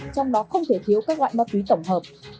trong đó không thể thiếu các loại ma túy tổng hợp